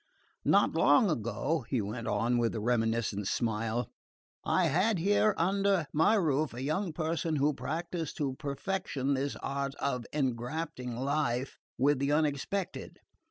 Not long ago," he went on, with a reminiscent smile, "I had here under my roof a young person who practised to perfection this art of engrafting life with the unexpected.